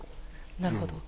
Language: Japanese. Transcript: なるほど。